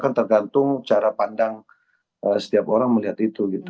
tergantung cara pandang setiap orang melihat itu gitu